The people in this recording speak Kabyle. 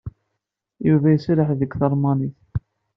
Yuba iserreḥ deg talmanit.